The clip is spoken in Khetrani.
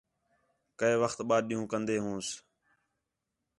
کَئے وخت ٻَہہ ݙِین٘ہوں کندے ہونس